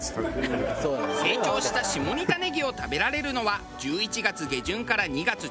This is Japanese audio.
成長した下仁田ねぎを食べられるのは１１月下旬から２月中旬。